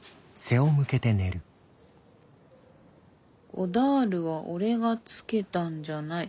「ゴダールは俺が付けたんじゃない。